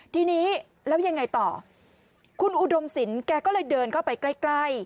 ทีนี้แล้วยังไงต่อคุณอุดมศิลป์แกก็เลยเดินเข้าไปใกล้